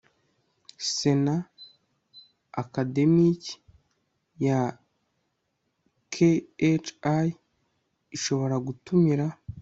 Sena Akademiki ya KHI ishobora gutumira